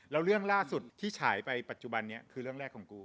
แล้วเรื่องล่าสุดที่ฉายไปปัจจุบันนี้คือเรื่องแรกของกู